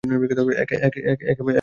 এক এবং শূন্য।